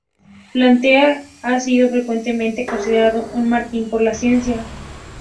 Plateau ha sido frecuentemente considerado un "mártir por la ciencia".